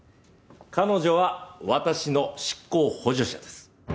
彼女は私の執行補助者です。